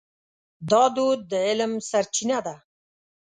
دا دود د علم سرچینه ده.